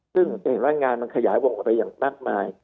ซึ่งจะเห็นว่างานมันขยายวงออกไปอย่างมากมาย